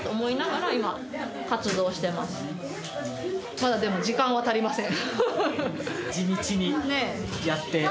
まだでも時間は足りません。